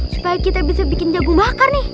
supaya kita bisa bikin jagung bakar nih